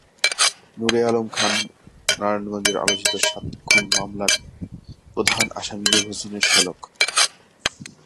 নূরে আলম খান নারায়ণগঞ্জের আলোচিত সাত খুন মামলার প্রধান আসামি নূর হোসেনের শ্যালক।